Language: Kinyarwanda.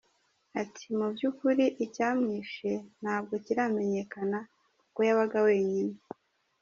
Ati “Mu by’ukuri icyamwishe ntabwo kiramenyekana kuko yabaga wenyine.